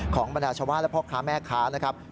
บรรดาชาวบ้านและพ่อค้าแม่ค้านะครับ